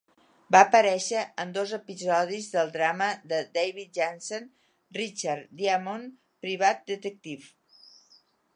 Va aparèixer en dos episodis del drama de David Janssen "Richard Diamond, Private Detective".